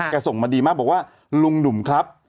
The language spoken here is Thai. ส่งมาดีมากบอกว่าลุงหนุ่มครับ